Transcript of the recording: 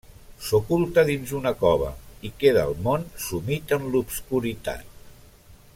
S'oculta dins una cova, i queda el món sumit en l'obscuritat.